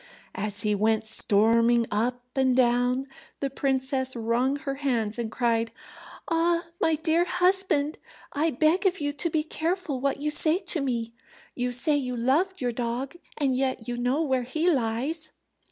As he went storming up and down, the princess wrung her hands, and cried, "Ah, my dear husband, I beg of you to be careful what you say to me. You say you loved your dog, and yet you know where he lies."